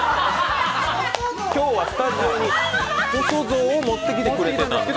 今日はスタジオに細象を持ってきてくれていた。